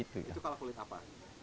itu kalau kulit apa